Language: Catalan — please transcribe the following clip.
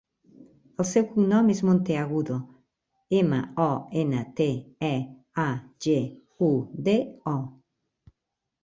El seu cognom és Monteagudo: ema, o, ena, te, e, a, ge, u, de, o.